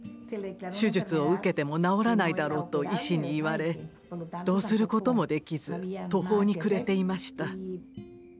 手術を受けても治らないだろうと医師に言われどうすることもできず途方に暮れていました。